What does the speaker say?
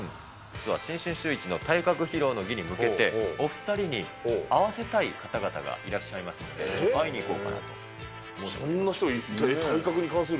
実は新春シューイチの体格披露の儀に向けて、お２人に会わせたい方々がいらっしゃいますので、会いに行こうかなと思っております。